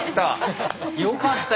よかった。